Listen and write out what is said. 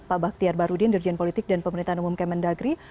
pak baktiar barudin dirjen politik dan pemerintahan umum kemendagri